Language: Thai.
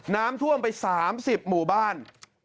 น้ำท่วมไป๓๐หมู่บ้าน